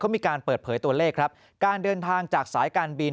มีการเปิดเผยตัวเลขครับการเดินทางจากสายการบิน